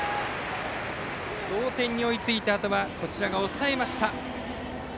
同点に追いついたあとはこちらが抑えました。